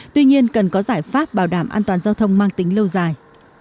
tuy nhiên cần có giải pháp bảo đảm an toàn giao thông mang tính lâu dài